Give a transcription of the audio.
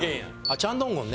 チャン・ドンゴンね。